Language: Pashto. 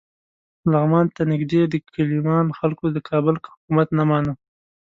لغمان ته نږدې د کیلمان خلکو د کابل حکومت نه مانه.